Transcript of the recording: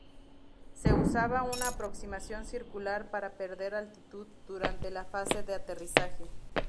Se usaba una aproximación circular para perder altitud durante la fase de aterrizaje.